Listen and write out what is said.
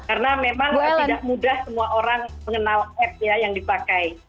karena memang tidak mudah semua orang mengenal app ya yang dipakai